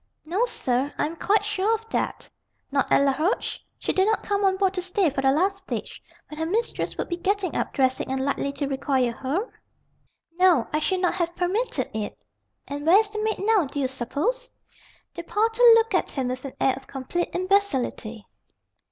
"No, sir, I am quite sure of that." "Not at Laroche? She did not come on board to stay, for the last stage, when her mistress would be getting up, dressing, and likely to require her?" "No; I should not have permitted it." "And where is the maid now, d'you suppose?" The porter looked at him with an air of complete imbecility.